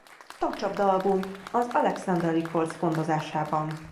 Tankcsapda-album az Alexandra Records gondozásában.